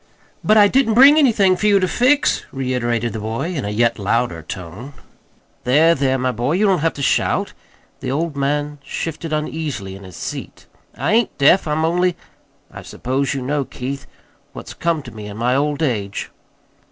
"But I didn't bring anything for you to fix," reiterated the boy, in a yet louder tone. "There, there, my boy, you don't have to shout." The old man shifted uneasily hi his seat. "I ain't deaf. I'm only I suppose you know, Keith, what's come to me in my old age."